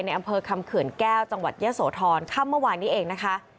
อำเภอคำเขื่อนแก้วจังหวัดเยอะโสธรค่ำเมื่อวานนี้เองนะคะ